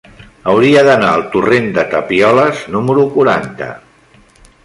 Hauria d'anar al torrent de Tapioles número quaranta.